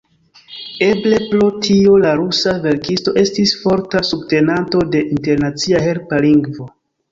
Eble pro tio la rusa verkisto estis forta subtenanto de internacia helpa lingvo.